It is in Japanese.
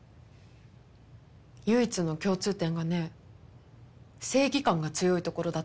唯一の共通点がね正義感が強いところだったのよ。